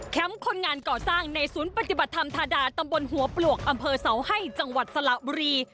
คนงานก่อสร้างในศูนย์ปฏิบัติธรรมธาดาตำบลหัวปลวกอำเภอเสาให้จังหวัดสระบุรี